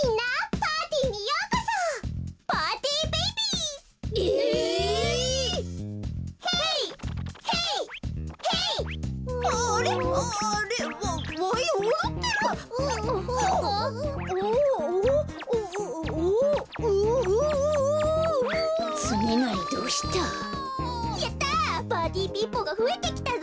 パーティーピーポーがふえてきたぞ！